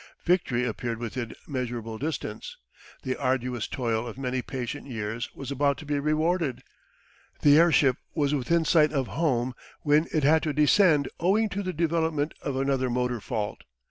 Victory appeared within measurable distance: the arduous toil of many patient years was about to be rewarded. The airship was within sight of home when it had to descend owing to the development of another motor fault.